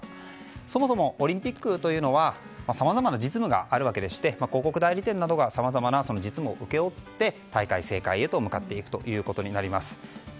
そもそもオリンピックというのはさまざまな実務があるわけでして広告代理店などがさまざまな実務を請け負い大会成功へと向かっていくということになります。